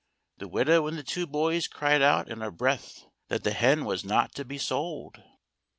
The widow and the two boys cried out in a breath that the hen was not to be sold.